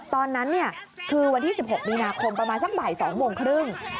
ตอนนั้นคือวันที่๑๖มีนาคมประมาณสักบ่าย๒โมงครึ่ง